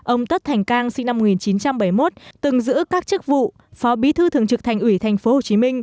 ông tất thành cang sinh năm một nghìn chín trăm bảy mươi một từng giữ các chức vụ phó bí thư thường trực thành ủy tp hcm